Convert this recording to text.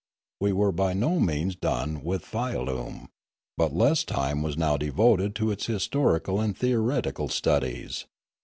We were by no means done with Fialume, but less time was now devoted to its historical and theoretical studies.